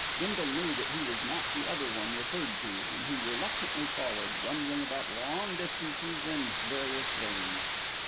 Bindle knew that he was not the other one referred to, and he reluctantly followed, grumbling about long distances and various veins.